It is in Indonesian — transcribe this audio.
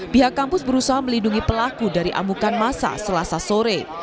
pihak kampus berusaha melindungi pelaku dari amukan masa selasa sore